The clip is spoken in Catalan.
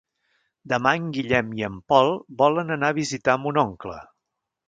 Demà en Guillem i en Pol volen anar a visitar mon oncle.